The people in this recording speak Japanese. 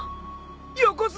横綱！